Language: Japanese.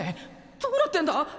どうなってんだ？